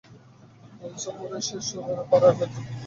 নীল সামুরাইরা শেষ ষোলোয় পা রাখল একটু অদ্ভুত উপায়ে।